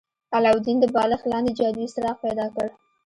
علاوالدین د بالښت لاندې جادويي څراغ پیدا کړ.